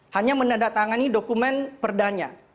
hanya menandatangani dokumen perdana